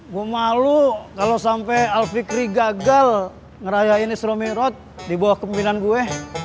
gue malu kalo sampe alfikri gagal ngerayain isromirot di bawah kempinan gue